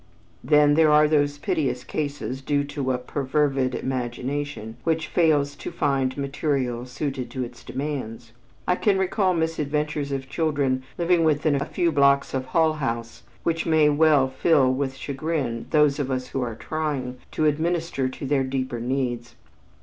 Then there are those piteous cases due to a perfervid imagination which fails to find material suited to its demands. I can recall misadventures of children living within a few blocks of Hull House which may well fill with chagrin those of us who are trying to administer to their deeper needs.